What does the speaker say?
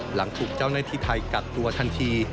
หลังถูกเจ้าหน้าที่ไทยกักตัวทันที